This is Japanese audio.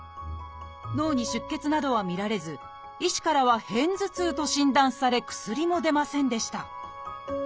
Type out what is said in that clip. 脳に出血などは見られず医師からは「片頭痛」と診断され薬も出ませんでした